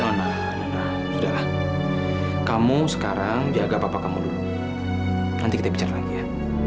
mohon maaf sudahlah kamu sekarang jaga papa kamu dulu nanti kita bicara lagi ya